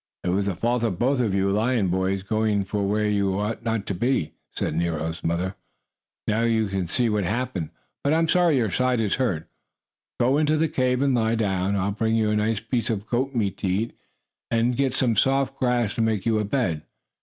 "It was the fault of both you lion boys for going where you ought not to," said Nero's mother. "Now you see what happened. But I'm sorry your side is hurt. Go into the cave and lie down. I'll bring you a nice piece of goat meat to eat, and get some soft grass to make you a bed.